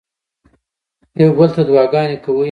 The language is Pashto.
یو بل ته دعاګانې کوئ.